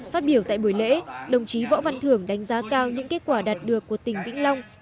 phát biểu tại buổi lễ đồng chí võ văn thưởng đánh giá cao những kết quả đạt được của tỉnh vĩnh long